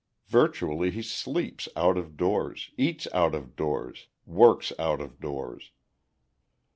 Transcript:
Virtually he sleeps out of doors, eats out of doors, works out of doors.